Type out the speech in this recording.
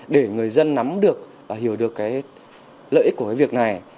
để người dân nắm được và hiểu được cái lợi ích của cái việc này